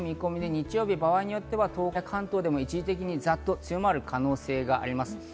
日曜日、場合によっては東海や関東で一時的にざっと雨が強まる可能性があります。